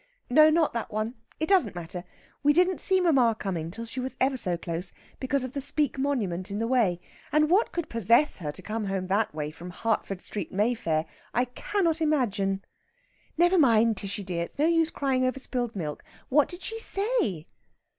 "No, not that one. It doesn't matter. We didn't see mamma coming till she was ever so close, because of the Speke Monument in the way. And what could possess her to come home that way from Hertford Street, Mayfair, I cannot imagine!" "Never mind, Tishy dear! It's no use crying over spilled milk. What did she say?"